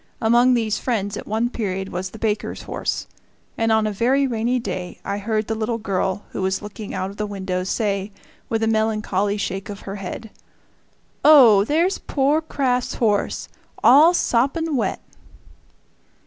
Among these friends at one period was the baker's horse, and on a very rainy day I heard the little girl, who was looking out of the window, say, with a melancholy shake of her head, "Oh! there's poor Kraft's horse, all soppin' wet!"